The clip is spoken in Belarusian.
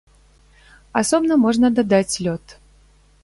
Асобна можна дадаць лёд.